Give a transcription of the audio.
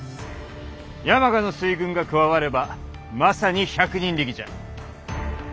山鹿の水軍が加わればまさに百人力じゃ。